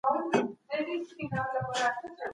افغان زعفران څنګه کولای سي په فرانسه کي ښه وپلورل سي؟